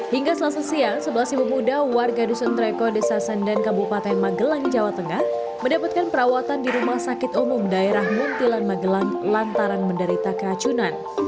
hingga selasa siang sebelas ibu muda warga dusun treko desa sendan kabupaten magelang jawa tengah mendapatkan perawatan di rumah sakit umum daerah muntilan magelang lantaran menderita keracunan